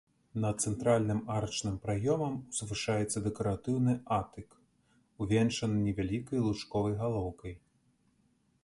Над цэнтральным арачным праёмам узвышаецца дэкаратыўны атык, увянчаны невялікай лучковай галоўкай.